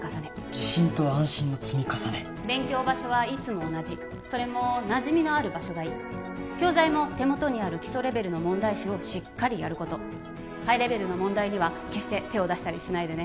自信と安心の積み重ね勉強場所はいつも同じそれもなじみのある場所がいい教材も手元にある基礎レベルの問題集をしっかりやることハイレベルの問題には決して手を出したりしないでね